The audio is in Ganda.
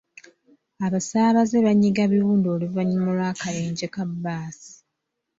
Abasaabaze banyiga biwundu oluvannyuma lw'akabenje ka bbaasi.